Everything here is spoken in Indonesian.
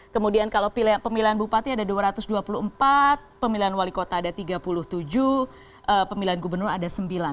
kemudian kalau pemilihan bupati ada dua ratus dua puluh empat pemilihan wali kota ada tiga puluh tujuh pemilihan gubernur ada sembilan